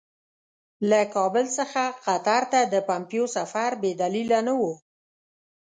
له کابل څخه قطر ته د پومپیو سفر بې دلیله نه وو.